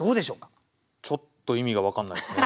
ちょっと意味が分からないですね。